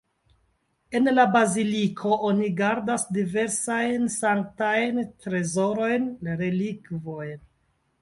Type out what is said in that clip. En la baziliko oni gardas diversajn sanktajn trezorojn, relikvojn.